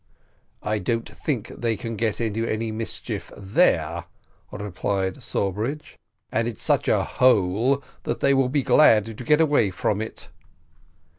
"I don't think they can get into any mischief there," replied Sawbridge; "and it's such a hole that they will be glad to get away from it."